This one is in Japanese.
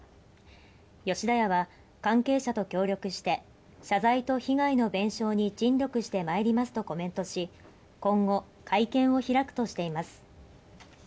吉田屋は関係者と協力して謝罪と被害の弁償に尽力してまいりますとコメントし、今後、会見を開くとしています。